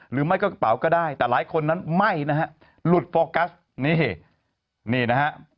หรือไม่ก็กระเป๋าก็ได้แต่หลายคนนั้นไหม้นะฮะหลุดโฟกัสนี่นี่นะฮะ